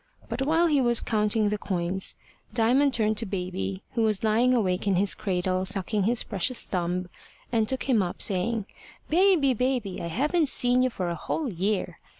But while he was counting the coins, Diamond turned to baby, who was lying awake in his cradle, sucking his precious thumb, and took him up, saying: "Baby, baby! I haven't seen you for a whole year."